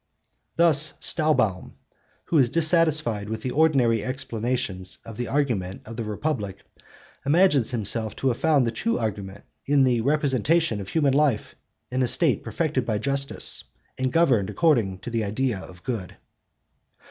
Thus Stallbaum, who is dissatisfied with the ordinary explanations of the argument of the Republic, imagines himself to have found the true argument 'in the representation of human life in a State perfected by justice, and governed according to the idea of good.